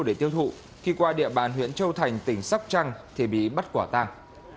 để tiêu thụ khi qua địa bàn huyện châu thành tỉnh sóc trăng thì bị bắt quả tang